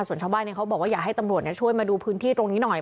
ส่วนชาวบ้านเขาบอกว่าอยากให้ตำรวจช่วยมาดูพื้นที่ตรงนี้หน่อย